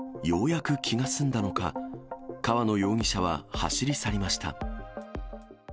ようやく気が済んだのか、河野容疑者は走り去りました。